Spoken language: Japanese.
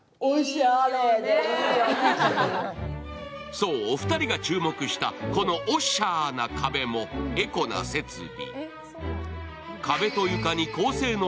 そう、お二人が注目したこのおっしゃーな壁もエコな設備。